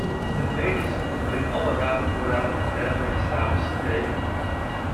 Ten tweede is het de bedoeling alle watervoorraden een degelijke status te geven.